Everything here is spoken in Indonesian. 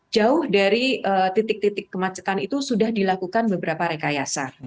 jauh dari titik titik kemacetan itu sudah dilakukan beberapa rekayasa